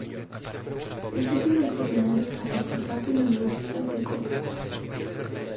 Estudia Veterinaria en la facultad de la Universidad de Córdoba.